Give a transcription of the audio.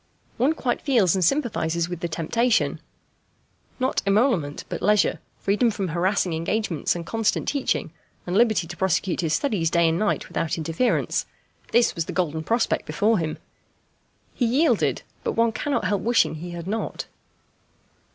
One quite feels and sympathizes with the temptation. Not emolument, but leisure; freedom from harassing engagements and constant teaching, and liberty to prosecute his studies day and night without interference: this was the golden prospect before him. He yielded, but one cannot help wishing he had not.